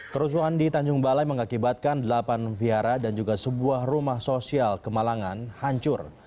kerusuhan di tanjung balai mengakibatkan delapan vihara dan juga sebuah rumah sosial kemalangan hancur